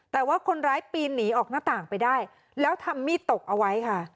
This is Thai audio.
แต่ว่าคนร้ายปีนหนีออกหน้าต่างไปได้แล้วทำมีดตกเอาไว้ค่ะ